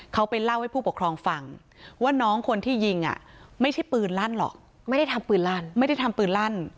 เขาไปเล่าให้ผู้ปกครองฟังว่าน้องคนที่ยิงไม่ใช่ปืนลั่นหรอกไม่ได้ทำปืนลั่น